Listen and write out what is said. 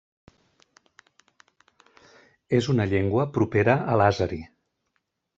És una llengua propera a l'àzeri.